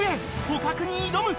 捕獲に挑む！